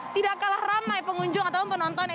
tidak kalah ramai pengunjung atau penonton